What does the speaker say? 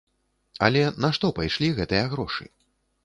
Але на што пайшлі гэтыя грошы?